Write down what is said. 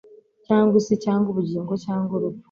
cyangwa isi cyangwa ubugingo cyangwa urupfu